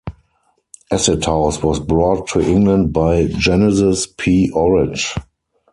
Acid house was brought to England by Genesis P-Orridge.